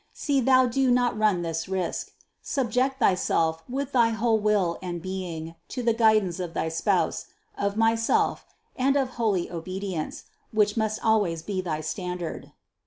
See thou do not run this risk; subject thyself with thy whole will and being to the guidance of thy Spouse, of myself, and of holy obedience, which must always be thy standard.